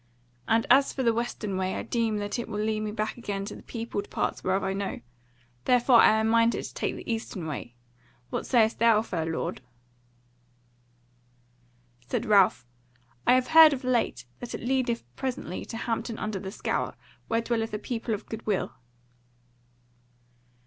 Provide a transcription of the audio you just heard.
And as for the western way I deem that that will lead me back again to the peopled parts whereof I know; therefore I am minded to take the eastern way. What sayest thou, fair lord?" Said Ralph: "I have heard of late that it leadeth presently to Hampton under the Scaur, where dwelleth a people of goodwill."